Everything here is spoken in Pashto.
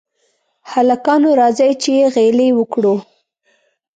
هلکانو! راځئ چې غېلې وکړو.